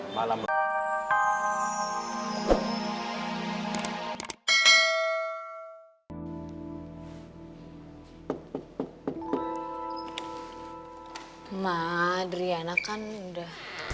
ma adriana kan udah